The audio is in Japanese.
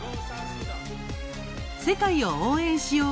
「世界を応援しよう！」